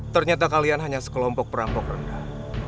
ternyata kalian hanya sekelompok perampok rendah